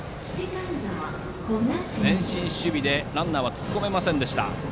前進守備でランナーは突っ込めませんでした。